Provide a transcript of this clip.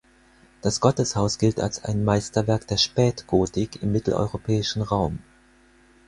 Das Gotteshaus gilt als ein Meisterwerk der Spätgotik im mitteleuropäischen Raum.